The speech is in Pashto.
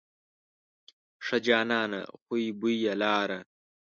ښه جانانه خوی بوی یې لاره.